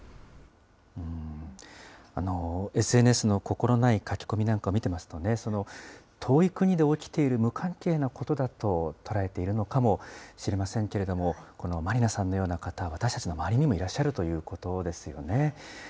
ＳＮＳの心ない書き込みなんかを見てますとね、遠い国で起きている無関係なことだと捉えているのかもしれませんけれども、このマリナさんのような方は私たちの周りにもいらっしゃるということですよね。